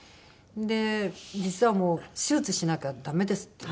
で実はもう「手術しなきゃダメです」って。